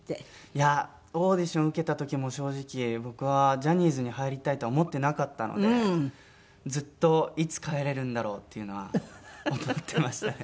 いやオーディション受けた時も正直僕はジャニーズに入りたいとは思ってなかったのでずっといつ帰れるんだろうっていうのは思ってましたね。